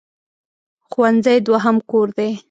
ښوونځی دوهم کور دی.